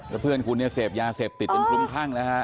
แล้วเพื่อนคุณเนี่ยเสพยาเสพติดเป็นพรุ่งข้างนะคะ